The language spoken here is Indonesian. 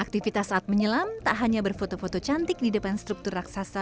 aktivitas saat menyelam tak hanya berfoto foto cantik di depan struktur raksasa